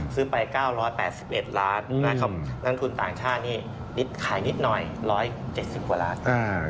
ไป๙๘๑ล้านนะครับนักทุนต่างชาตินี่ขายนิดหน่อย๑๗๐กว่าล้าน